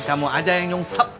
kamu aja yang nyungsap